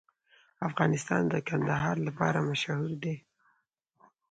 افغانستان د کندهار لپاره مشهور دی.